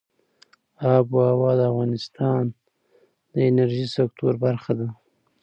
آب وهوا د افغانستان د انرژۍ سکتور برخه ده.